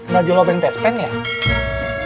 nah jolo beng tespen yang ada di sana